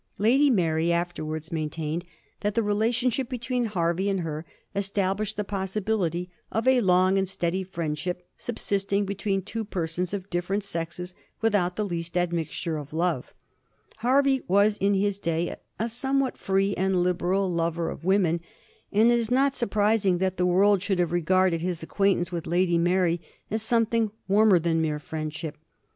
Lady Mary afterwards maintained that the relationship between Hervey and her established the possibility of ' a long and steady friendship subsisting between two persons of different sexes without the least admixture of love.' Hervey was in his day a somewhat &ee and liberal lover of D D 3 Digiti zed by Google 404 A HISTORY OF THE FOUR GEORGES. ct. xx. women, and it is not surprising that the world should have regarded his acquaintanceship with Lady Mary as something warmer than mere friendship.